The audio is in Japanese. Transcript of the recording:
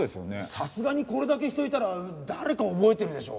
さすがにこれだけ人いたら誰か覚えてるでしょ。